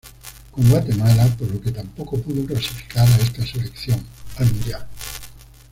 Con Guatemala, por lo que tampoco pudo clasificar a esta selección, al mundial.